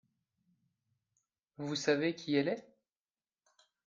Vous savez qui elle est ?